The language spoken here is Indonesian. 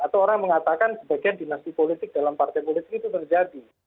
atau orang mengatakan sebagian dinasti politik dalam partai politik itu terjadi